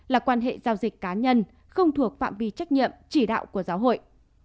là quan hệ giao dịch cá nhân không thuộc phạm vi trách nhiệm chỉ đạo của giáo hội